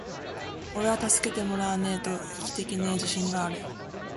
｢おれは助けてもらわねェと生きていけねェ自信がある!!!｣